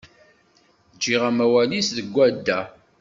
Ǧǧiɣ amawal-is deg wadda.